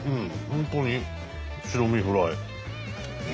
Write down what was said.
本当に白身フライ。